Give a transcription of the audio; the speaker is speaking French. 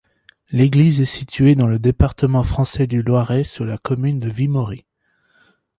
L'église est située dans le département français du Loiret, sur la commune de Vimory.